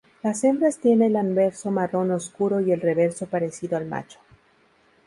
Las hembras tiene el anverso marrón oscuro y el reverso parecido al macho.